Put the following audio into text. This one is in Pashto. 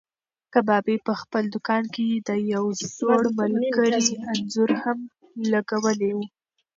کبابي په خپل دوکان کې د یو زوړ ملګري انځور هم لګولی و.